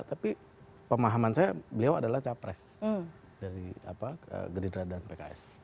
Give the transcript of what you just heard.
tapi pemahaman saya beliau adalah capres dari gerindra dan pks